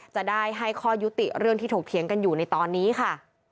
จะได้ให้ข้อยุติเรื่องที่ถกเถียงกันอยู่ในตอนนี้ค่ะ